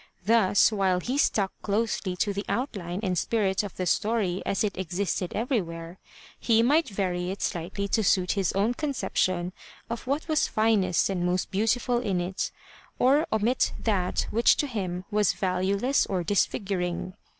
Thus while he stuck closely to the outline and spirit of the story as it existed everywhere, he might vary it slightly to suit his own conception of what was finest and most beautiful in it, or omit that which to him was valueless or dis figuring.